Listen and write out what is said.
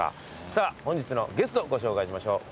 さぁ本日のゲストご紹介しましょう。